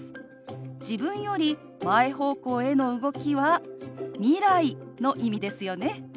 自分より前方向への動きは未来の意味ですよね。